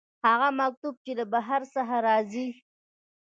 هغه مکتوب چې له بهر څخه راځي.